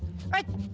eh jam berapa ya